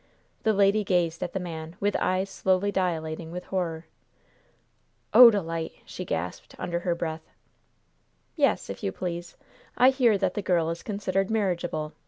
The lady gazed at the man with eyes slowly dilating with horror. "Odalite!" she gasped, under her breath. "Yes, if you please. I hear that the girl is considered marriageable.